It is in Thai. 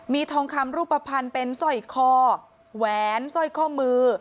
มีทองคำรูปภัณฑ์เป็นสร้อยคอแหวนสร้อยข้อมือ